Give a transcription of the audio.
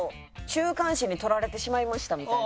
「週刊誌に撮られてしまいました」みたいな。